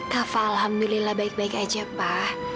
kava alhamdulillah baik baik aja pa